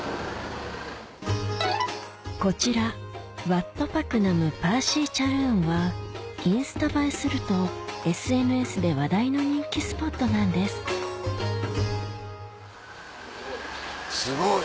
こちらワット・パクナム・パーシーチャルーンはインスタ映えするとＳＮＳで話題の人気スポットなんですすごい。